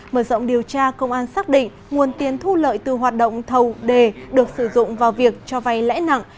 mở rộng điều tra công an xác định nguồn tiền thu lợi từ hoạt động thầu đề được sử dụng vào việc cho vay lãi nặng